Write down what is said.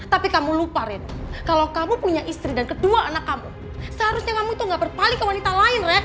tapi kamu lupa red kalau kamu punya istri dan kedua anak kamu seharusnya kamu tuh gak berpali ke wanita lain red